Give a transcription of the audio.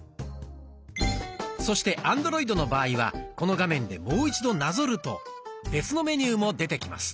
そしてアンドロイドの場合はこの画面でもう一度なぞると別のメニューも出てきます。